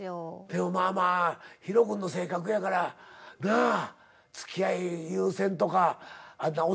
でもまあまあＨＩＲＯ君の性格やからなあつきあい優先とか男社会の。